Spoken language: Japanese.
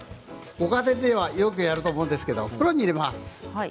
ご家庭でもよくやると思うんですが袋に入れます。